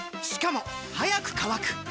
しかも速く乾く！